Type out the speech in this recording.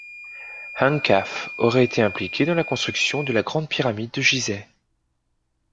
Ânkhkhâf aurait été impliqué dans la construction de la Grande Pyramide de Gizeh.